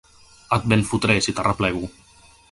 Et ben fotré, si t'arreplego!